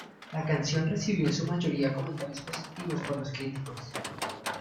La canción recibió en su mayoría comentarios positivos por los críticos.